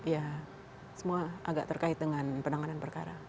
ya semua agak terkait dengan penanganan perkara